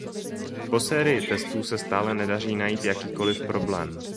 Po sérii testů se stále nedaří najít jakýkoliv problém.